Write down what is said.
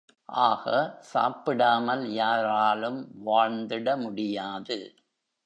ஆக சாப்பிடாமல் யாராலும், வாழ்ந்திட முடியாது.